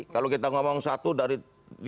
kalau kita ngomong satu dari dua